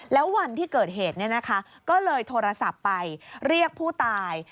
แล้ววันที่เกิดเหตุก็เลยโทรศัพท์ไปเรียกผู้ตาย